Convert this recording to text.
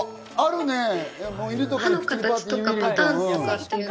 あるね。